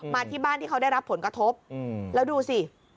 ที่บ้านที่เขาได้รับผลกระทบแล้วดูสิ